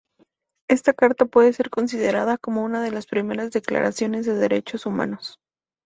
Esta carta puede ser considerada como una de las primeras declaraciones de derechos humanos.